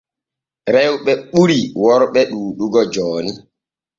Rewɓe ɓuri worɓe ɗuuɗugo jooni.